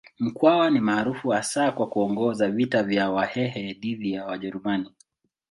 Mkwawa ni maarufu hasa kwa kuongoza vita vya Wahehe dhidi ya Wajerumani.